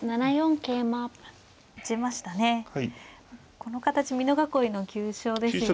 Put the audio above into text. この形美濃囲いの急所ですよね。